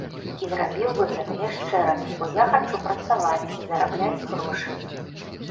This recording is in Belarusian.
І зрабіў бы гэта яшчэ раз, бо я хачу працаваць і зарабляць грошы.